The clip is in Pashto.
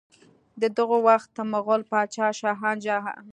د دغه وخت مغل بادشاه شاه جهان